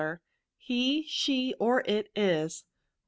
He, she, or it is.